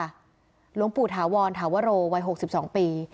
หลวงปู่ถาวรถาวโรวัย๖๒ปี